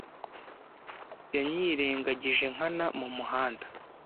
Yanyirengagije nkana mu muhanda.